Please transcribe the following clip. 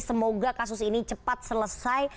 semoga kasus ini cepat selesai